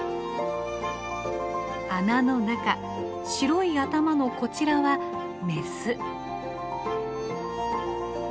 穴の中白い頭のこちらはメス。